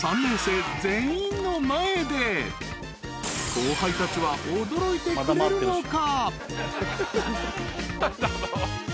［後輩たちは驚いてくれるのか？］